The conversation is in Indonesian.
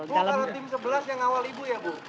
itu karena tim sebelas yang awal ibu ya bu